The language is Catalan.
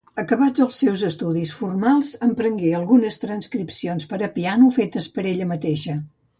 Acabats els seus estudis formals, emprengué algunes transcripcions per a piano fetes per ella mateixa.